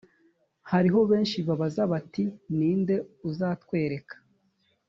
hariho benshi babaza bati ni nde uzatwereka